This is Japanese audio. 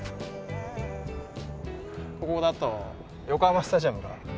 ここだと横浜スタジアムが真上から。